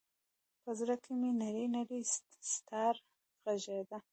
په زړه کې مــــــې نـــری نـــری ستار غـــــږیده